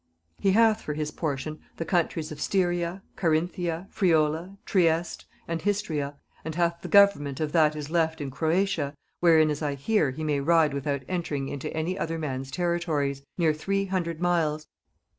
"He hath for his portion the countries of Styria, Carinthia, Friola, Treiste, and Histria, and hath the government of that is left in Croatia, wherein, as I hear, he may ride without entering into any other man's territories, near three hundred miles...